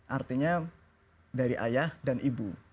artinya dari ayah dan ibu